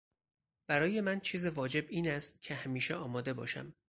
برای من چیز واجب این است که همیشه آماده باشم.